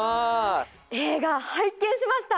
映画、拝見しました。